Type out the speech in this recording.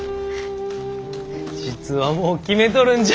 実はもう決めとるんじゃ。